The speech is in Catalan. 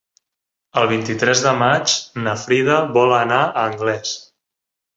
El vint-i-tres de maig na Frida vol anar a Anglès.